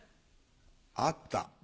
あった。